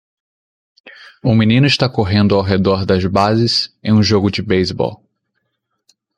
Um menino está correndo ao redor das bases em um jogo de beisebol.